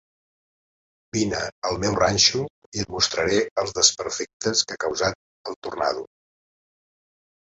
Vine al meu ranxo i et mostraré els desperfectes que ha causat el tornado.